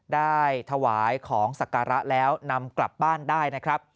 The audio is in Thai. ได้ถวายของสักการะแล้วนำกลับบ้านได้